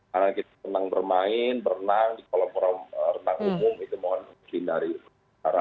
karena kita senang bermain berenang di kolom renang umum itu mohon dihindari